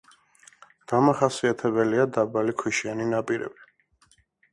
დამახასიათებელია დაბალი ქვიშიანი ნაპირები.